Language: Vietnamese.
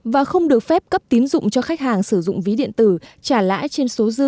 và không được phép cấp tín dụng cho khách hàng sử dụng ví điện tử trả lãi trên số dư